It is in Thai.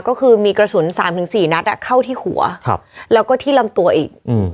ก็คือมีกระสุน๓๔นัดเข้าที่หัวแล้วก็ที่ลำตัวอีก